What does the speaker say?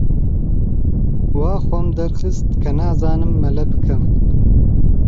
وا خۆم دەرخست کە نازانم مەلە بکەم.